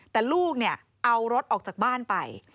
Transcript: แต่ลูกเนี่ยเอารถออกจากบ้านไป